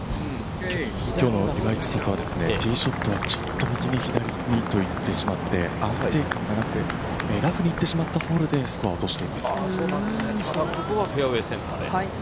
今日の岩井千怜はティーショットがちょっと右に左にと行ってしまって安定感がなく、ラフに行ってしまったホールでスコアを落としています。